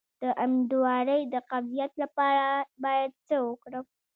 د امیدوارۍ د قبضیت لپاره باید څه وکړم؟